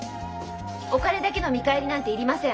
お金だけの見返りなんていりません。